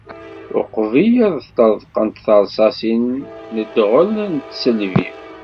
Uqbel ad ṭṭreḍqent tersasin n ddɣel d tisselbi.